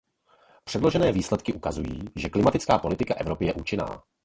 Předložené výsledky ukazují, že klimatická politika Evropy je účinná.